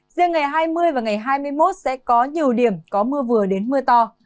riêng ngày hai mươi và ngày hai mươi một sẽ có nhiều điểm có mưa vừa đến mưa to